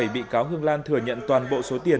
bảy bị cáo hương lan thừa nhận toàn bộ số tiền